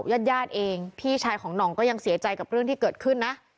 ญาติญาติเองพี่ชายของหน่องก็ยังเสียใจกับเรื่องที่เกิดขึ้นนะ